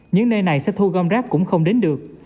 những nơi này sẽ thu gom rác cũng không đến được